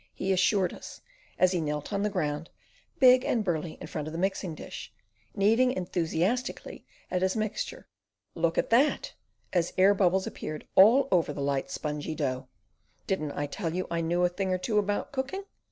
he assured us, as he knelt on the ground, big and burly in front of the mixing dish, kneading enthusiastically at his mixture. "Look at that!" as air bubbles appeared all over the light, spongy dough. "Didn't I tell you I knew a thing or two about cooking?"